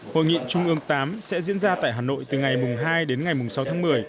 hội nghị trung ương viii sẽ diễn ra tại hà nội từ ngày hai đến ngày sáu tháng một mươi